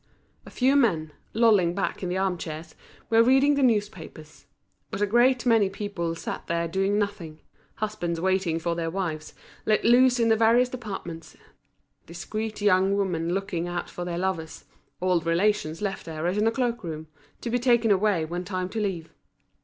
A few men, lolling back in the armchairs, were reading the newspapers. But a great many people sat there doing nothing: husbands waiting for their wives, let loose in the various departments, discreet young women looking out for their lovers, old relations left there as in a cloak room, to be taken away when time to leave.